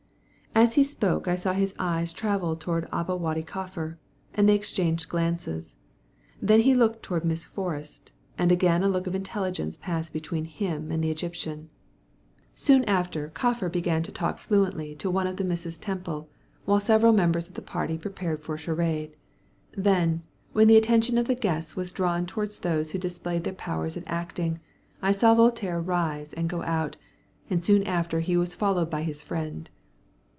As he spoke I saw his eyes travel towards Aba Wady Kaffar, and they exchanged glances; then he looked towards Miss Forrest, and again a look of intelligence passed between him and the Egyptian. Soon after Kaffar began to talk fluently to one of the Misses Temple, while several members of the party prepared for a charade. Then, when the attention of the guests was drawn towards those who displayed their powers at acting, I saw Voltaire rise and go out, and soon after he was followed by his friend.